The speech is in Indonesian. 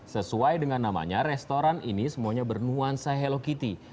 sesuai dengan namanya restoran ini semuanya bernuansa hello kitty